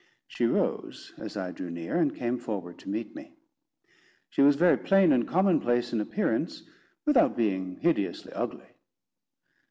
She rose, as I drew near, and came forward to meet me. She was very plain and commonplace in appearance, without being hideously ugly.